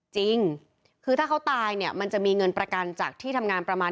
จริงคือถ้าเขาตายเนี่ยมันจะมีเงินประกันจากที่ทำงานประมาณ